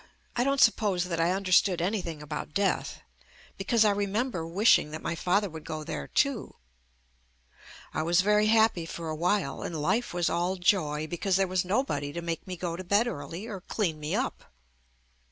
I don't suppose that I under stood anything about death, because I remem ber wishing that my father would go there too. I was very happy for a while, and life was all joy because there was nobody to make me go to bed early or clean me up.